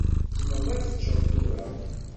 Tzemreḍ ad teččeḍ tura.